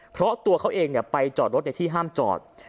เพราะตัวเขาเองไปจอดรถในที่ห้ามจอด